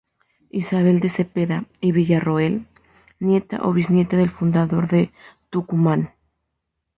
Ysabel de Cepeda y Villarroel, nieta o bisnieta del fundador de Tucumán.